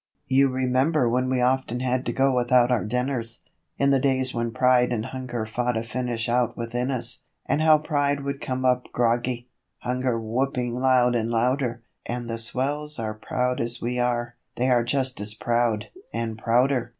You remember when we often had to go without our dinners, In the days when Pride and Hunger fought a finish out within us; And how Pride would come up groggy Hunger whooping loud and louder And the swells are proud as we are; they are just as proud and prouder.